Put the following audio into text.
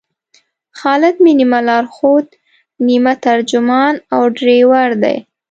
خالد مې نیمه لارښود، نیمه ترجمان او ډریور دی.